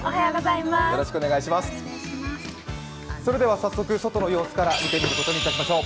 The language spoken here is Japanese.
早速、外の様子から見てみることにいたしましょう。